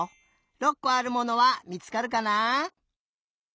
６こあるものはみつかるかな？